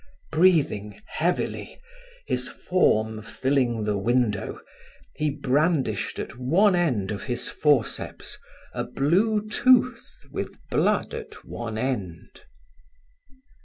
Breathing heavily, his form filling the window, he brandished at one end of his forceps, a blue tooth with blood at one end.